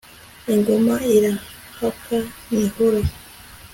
ingoma irahaka ntihora